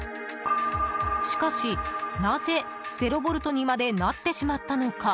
しかし、なぜ０ボルトにまでなってしまったのか。